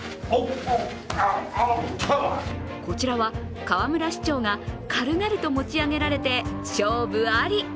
こちらは河村市長が軽々と持ち上げられて勝負あり。